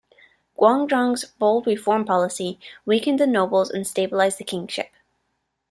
Gwangjong's bold reform policy weakened the nobles and stabilized the kingship.